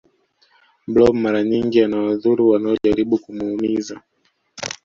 blob mara nyingi anawadhuru wanaojaribu kumuumiza